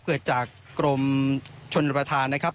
เกิดจากกรมชนประธานนะครับ